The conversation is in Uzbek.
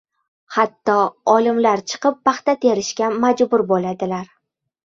Hatto olimlar chiqib paxta terishga majbur bo‘ladilar.